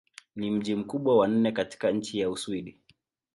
Ni mji mkubwa wa nne katika nchi wa Uswidi.